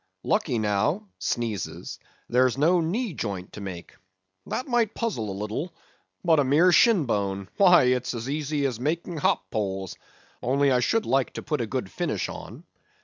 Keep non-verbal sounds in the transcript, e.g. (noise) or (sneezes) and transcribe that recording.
Lucky now (sneezes) there's no knee joint to make; that might puzzle a little; but a mere shinbone—why it's easy as making hop poles; only I should like to put a good finish on.